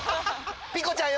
ピコちゃんよ！